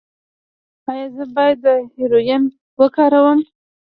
ایا زه باید هیرویین وکاروم؟